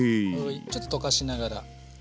ちょっと溶かしながら。